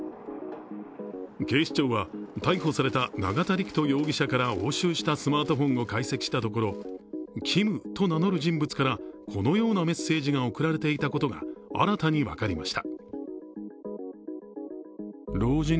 警視庁は逮捕された永田陸人容疑者から押収したスマートフォンを解析したところ「Ｋｉｍ」と名乗る人物からこのようなメッセージが送られていたことが新たに分かりました。